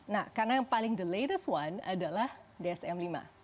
nah karena yang paling latest one adalah dsm lima